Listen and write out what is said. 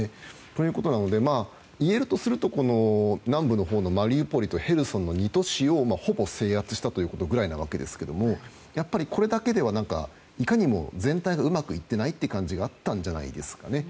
ということなので言えるとすると南部のほうのマリウポリとヘルソンの２都市をほぼ制圧したということぐらいなわけですけれどもやっぱりこれだけでは何かいかにも全体がうまくいっていない感じがあったんじゃないですかね。